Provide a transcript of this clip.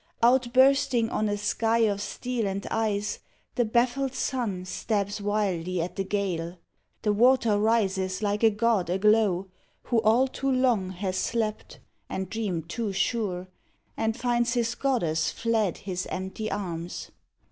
Outbursting on a sky of steel and ice, The baffled sun stabs wildly at the gale. The water rises like a god aglow, Who all too long hath slept, and dreamed too sure, And finds his goddess fled his empty arms.